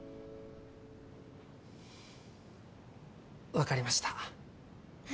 分かりました。